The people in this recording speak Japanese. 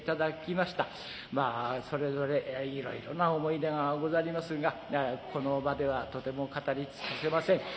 まあそれぞれいろいろな思い出がござりまするがこの場ではとても語り尽くせません。